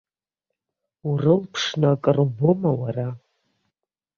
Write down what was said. Урылԥшны акыр убома уара?